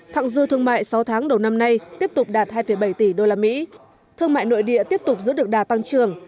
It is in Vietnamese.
thẳng dư thương mại sáu tháng đầu năm nay tiếp tục đạt hai bảy tỷ usd thương mại nội địa tiếp tục giữ được đà tăng trưởng